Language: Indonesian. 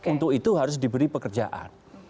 untuk itu harus diberi pekerjaan